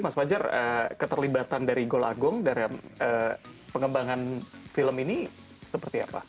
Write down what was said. mas fajar keterlibatan dari gol agung dalam pengembangan film ini seperti apa